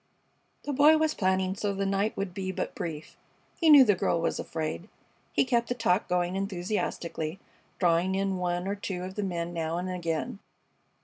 The Boy was planning so the night would be but brief. He knew the girl was afraid. He kept the talk going enthusiastically, drawing in one or two of the men now and again.